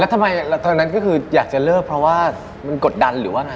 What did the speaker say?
ทำไมทางนั้นก็คืออยากจะเลิกเพราะว่ามันกดดันหรือว่าไง